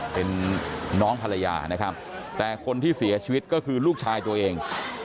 เป็นน้องภรรยานะครับแต่คนที่เสียชีวิตก็คือลูกชายตัวเอง